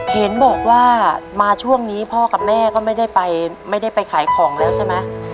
เห็นบอกว่ามาช่วงนี้พ่อกับแม่ก็ไม่ได้ไปไม่ได้ไปขายของแล้วใช่ไหม